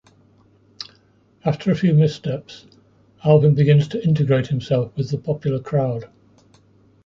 After a few missteps, Alvin begins to integrate himself with the popular crowd.